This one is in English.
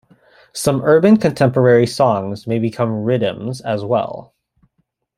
Some urban contemporary songs may become riddims as well.